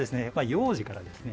幼児からですね